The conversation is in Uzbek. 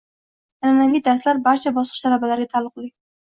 Anʼanaviy darslar barcha bosqich talabalariga taalluqli.